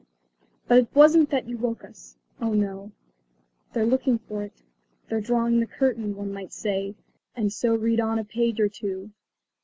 But it wasn't that you woke us. Oh, no. "They're looking for it; they're drawing the curtain," one might say, and so read on a page or two.